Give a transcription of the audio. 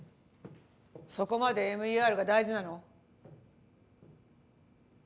そこまでＭＥＲが大事なの？